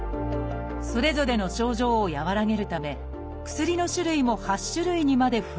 それぞれの症状を和らげるため薬の種類も８種類にまで増えました。